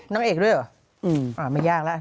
นางเอกด้วยเหรอไม่ยากแล้ว